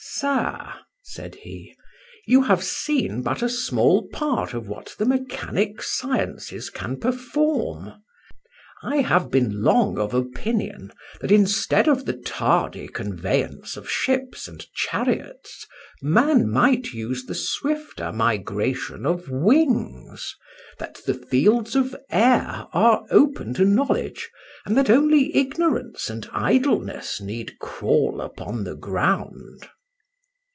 "Sir," said he, "you have seen but a small part of what the mechanic sciences can perform. I have been long of opinion that, instead of the tardy conveyance of ships and chariots, man might use the swifter migration of wings, that the fields of air are open to knowledge, and that only ignorance and idleness need crawl upon the ground."